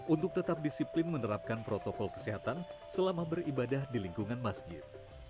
untuk tetap disiplin menerapkan protokol kesehatan selama beribadah di lingkungan masjid